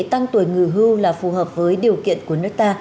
tăng tuổi nghỉ hưu là phù hợp với điều kiện của nước ta